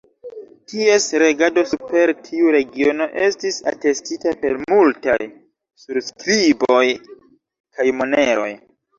Ties regado super tiu regiono estis atestita per multaj surskriboj kaj moneroj.